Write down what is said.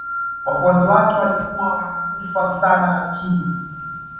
Wafuasi wake walikuwa wanakufa sana lakini